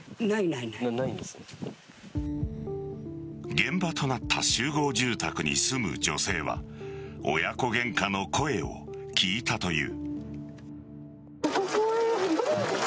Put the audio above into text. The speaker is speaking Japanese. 現場となった集合住宅に住む女性は親子ゲンカの声を聞いたという。